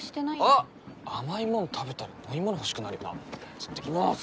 あっ甘いもん食べたら飲み物欲しくなるよないってきます